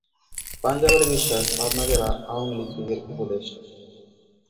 পাঞ্জাব আলী বিশ্বাস পাবনা জেলা আওয়ামী লীগের উপদেষ্টা।